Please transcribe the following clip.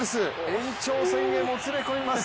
延長戦へもつれ込みます。